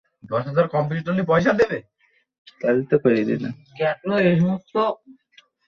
আপনি ওর সাথে থাকার জন্য সে এটা করেছে?